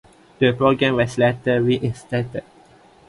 The program was later reinstated.